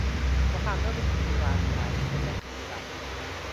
Gwahanodd y gŵr a gwraig gyda chusan.